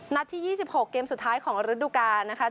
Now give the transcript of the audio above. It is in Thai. ที่๒๖เกมสุดท้ายของฤดูกาลนะคะ